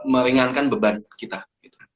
meringankan beban kita gitu